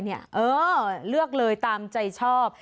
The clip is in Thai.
เออเลือกเลยตามใจชอบ